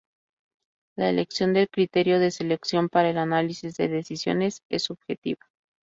La elección del criterio de selección para el análisis de decisiones es subjetiva.